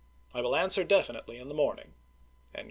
I will answer definitely in the morn pi.!m7,5«).